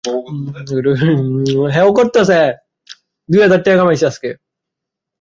বছরের শেষে সবাইকে শুভেচ্ছা জানাব, কয়েকটা আশার কথা বলব, ব্যস খালাস।